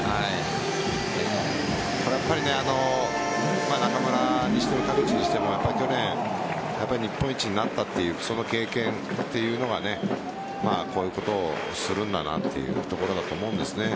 やっぱり中村にしても田口にしても去年、日本一になったという経験というのがこういうことをするんだなというところだと思うんです。